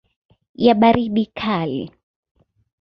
ya baridi kali.